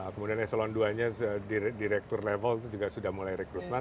kemudian eselon ii nya direktur level itu juga sudah mulai rekrutmen